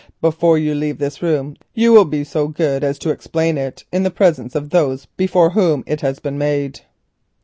"Before you leave this room you will be so good as to explain it in the presence of those before whom it has been made."